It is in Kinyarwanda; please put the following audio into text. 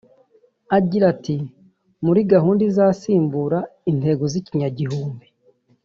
Agira ati “Muri gahunda izasimbura intego z’ikinyagihumbi